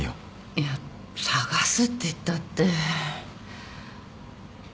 いや捜すって言ったって。